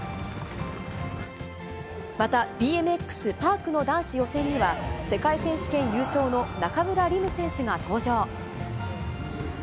またＢＭＸパークの男子予選には、世界選手権優勝の中村輪夢選手が登場。